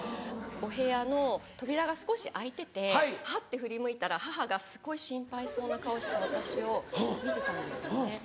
お部屋の扉が少し開いててハッて振り向いたら母がすごい心配そうな顔して私を見てたんですよね。